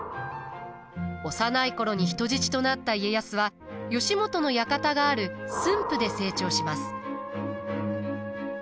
幼い頃に人質となった家康は義元の館がある駿府で成長します。